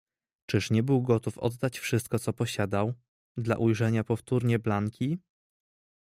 "Czyż nie był gotów oddać wszystko co posiadał, dla ujrzenia powtórnie Blanki?"